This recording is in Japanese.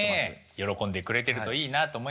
喜んでくれてるといいなと思いますよね。